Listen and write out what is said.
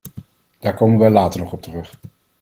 Daar komen wij later nog op terug.